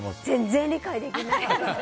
全然理解できない。